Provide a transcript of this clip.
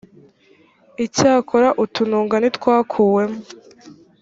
icyakora utununga ntitwakuweho